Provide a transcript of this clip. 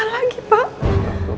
maria punggung bungkus